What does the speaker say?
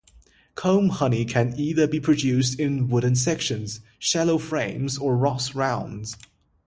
Comb honey can either be produced in wooden sections, shallow frames, or Ross Rounds.